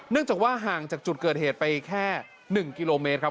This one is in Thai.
จากว่าห่างจากจุดเกิดเหตุไปแค่๑กิโลเมตรครับ